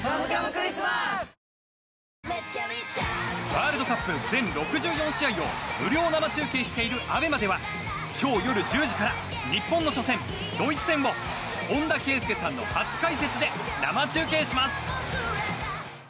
ワールドカップ全６４試合を無料生中継しているＡＢＥＭＡでは今日夜１０時から日本の初戦、ドイツ戦を本田圭佑さんの初解説で生中継します。